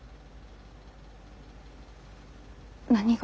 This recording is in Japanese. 何が？